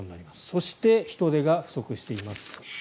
そして、人手が不足しています。